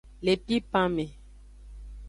Le pipan me.